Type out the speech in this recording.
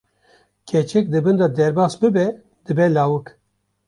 keçik di bin de derbas bibe dibe lawik!